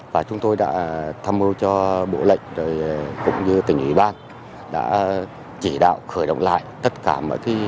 và chúng tôi đã tham mưu cho bộ lệnh cũng như tỉnh ủy ban đã chỉ đạo khởi động lại tất cả mọi thi